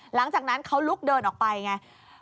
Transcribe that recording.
หลังจากนั้นเขาลุกเดินออกไปไง